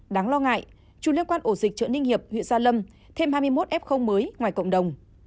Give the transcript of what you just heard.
đáng lo ngại chúng liên quan ổ dịch chợ ninh hiệp huyện gia lâm thêm hai mươi một f mới ngoài cộng đồng